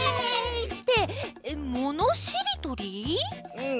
うん。